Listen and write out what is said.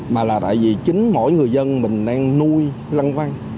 mà là tại vì chính mỗi người dân mình đang nuôi lăn quăng